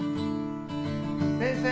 ・先生！